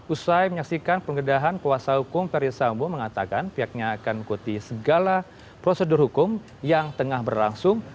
usai menyaksikan penggeledahan kuasa hukum ferdisambo mengatakan pihaknya akan mengikuti segala prosedur hukum yang tengah berlangsung